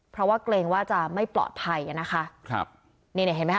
เพราะว่าเกรงว่าจะไม่ปลอดภัยอ่ะนะคะครับนี่เนี่ยเห็นไหมค